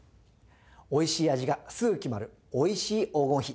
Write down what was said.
おいしい味がすぐ決まる「おいしい黄金比」。